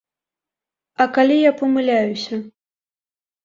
А калі я памыляюся?